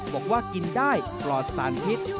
บอกว่ากินได้ปลอดสารพิษ